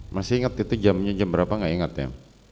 masih ingat itu jamnya jam berapa gak ingat ya